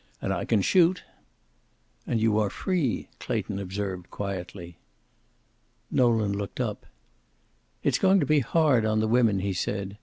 And I can shoot." "And you are free," Clayton observed, quietly. Nolan looked up. "It's going to be hard on the women," he said.